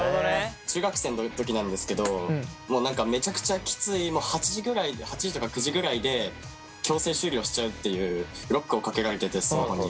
中学生の時なんですけどもう何かめちゃくちゃキツい８時とか９時ぐらいで強制終了しちゃうっていうロックをかけられててスマホに。